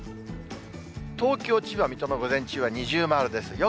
東京、千葉、水戸の午前中は二重丸です。